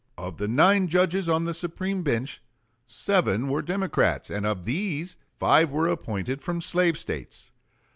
Of the nine judges on the Supreme Bench seven were Democrats, and of these five were appointed from slave States.